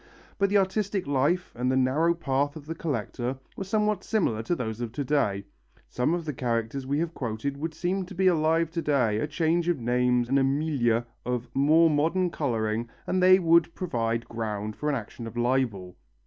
But the artistic life, and the narrow path of the collector, were somewhat similar to those of to day. Some of the characters we have quoted would seem to be alive to day, a change of name and a milieu of more modern colouring and they would provide ground for an action for libel.